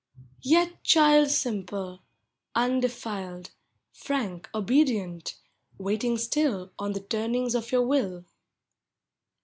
Yet child simple, undefiled, Frank, obedient, — waiting still On the turnings of your will.